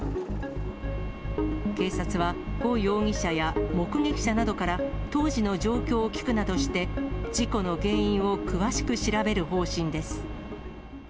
警察は、呉容疑者や目撃者などから、当時の状況を聴くなどして、事故の原因を詳しく調べる方針です。